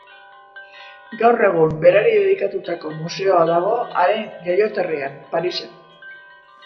Gaur egun berari dedikatutako museoa dago haren jaioterrian, Parisen.